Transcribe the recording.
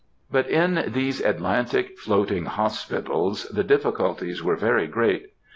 But in these Atlantic Floating Hospitals the difficulties were very great.